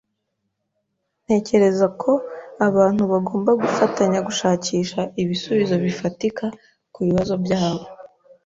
Ntekereza ko abantu bagomba gufatanya gushakisha ibisubizo bifatika kubibazo byabo.